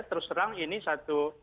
terus terang ini satu